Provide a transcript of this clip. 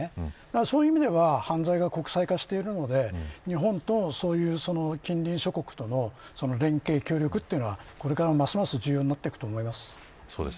そういう意味では犯罪が国際化しているので日本と近隣諸国との連携、協力はこれからもますます重要になっていくと思います。